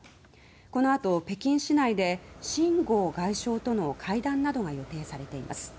この後、北京市内で秦剛外相との会談などが予定されています。